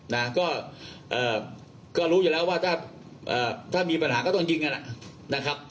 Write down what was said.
นะก็เอ่อก็รู้อยู่แล้วว่าถ้ามีปัญหาก็ต้องยิงกันนะครับ